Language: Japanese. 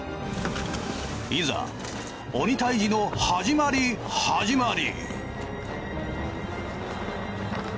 いざ鬼退治のはじまりはじまり。